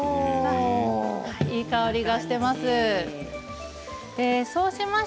いい香りがしています。